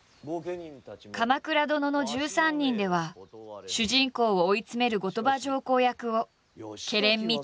「鎌倉殿の１３人」では主人公を追い詰める後鳥羽上皇役をけれんみたっぷりに熱演。